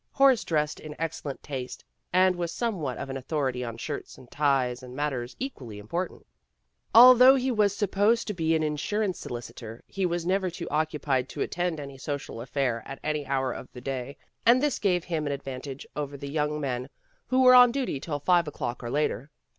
Horace dressed in excellent taste, and was somewhat of an authority on shirts and ties and matters equally important. Although he was supposed to be an insurance solicitor, he was never too occupied to attend any social affair at any hour of the day, and this gave him an advantage over the young men who were on duty till five o'clock or later.